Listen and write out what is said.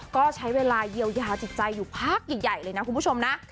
ก็ใช้เวลาเยียวยาจิตใจอยู่พักใหญ่เลยนะคุณผู้ชมนะ